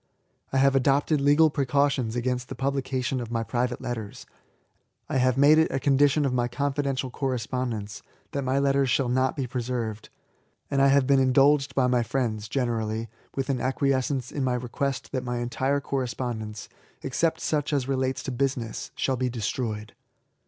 I have adopted legal precautions against the pub lication of my private letters ;— I have made it a condition of my confidential correspondence that LIFE TO THE INVALID. 97 my letters shall not be preserved: and I have been indulged by my friends, generally, with an ^quiescence in my request that my entire corre spondence, except such as relates to business, shall be destroyed.